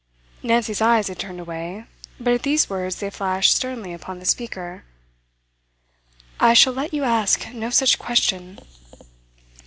Nancy's eyes had turned away, but at these words they flashed sternly upon the speaker. 'I shall let you ask no such question.